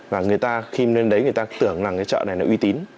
và người ta khi lên đấy người ta tưởng rằng cái chợ này là uy tín